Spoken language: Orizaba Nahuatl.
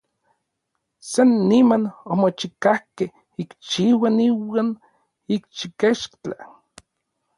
San niman omochikajkej ikxiuan iuan ikxikechtla.